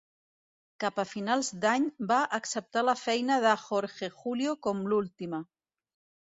Cap a finals d'any, va acceptar la feina de Jorge Julio com l'última.